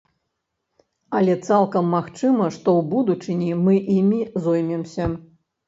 Але цалкам магчыма, што ў будучыні мы імі зоймемся.